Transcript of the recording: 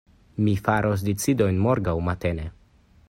Mi faros decidojn morgaŭ matene.